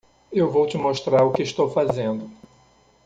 Eu vou te mostrar o que estou fazendo.